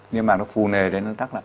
nhưng mà nó phù nề đến nó tắc lại